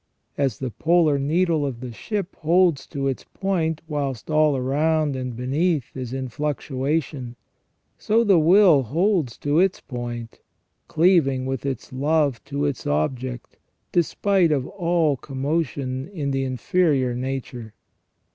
As the polar needle of the ship holds to its point whilst all around and beneath is in fluctuation, so the will holds to its point, cleaving with its love to its object despite of all commotion in the inferior nature.